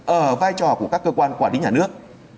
ở vai trò của các cơ quan quản lý nhà nước